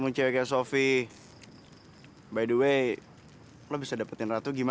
udah lama kasih perbacanya nih lagi ya